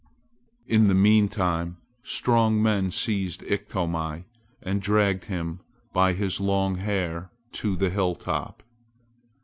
In the meanwhile strong men seized Iktomi and dragged him by his long hair to the hilltop.